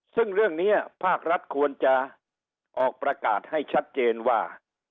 ซึ่งเรื่องนี้ภาครัฐควรจะออกประกาศให้ชัดเจนว่า